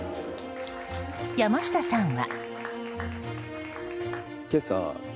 山下さんは。